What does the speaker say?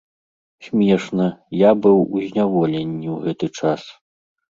Смешна, я быў у зняволенні ў гэты час!